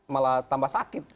malah tambah sakit